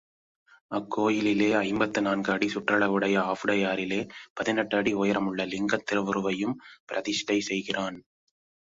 அக்கோயிலிலே ஐம்பத்து நான்கு அடி சுற்றளவுடைய ஆவுடையாரிலே பதினெட்டு அடி உயரமுள்ள லிங்கத் திருவுருவையும் பிரதிஷ்டை செய்கிறான்.